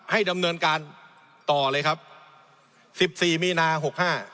ให้ดำเนินการต่อเลยครับสิบสี่มีนาหกห้า